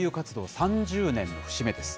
３０年の節目です。